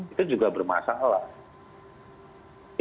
itu juga bermasalah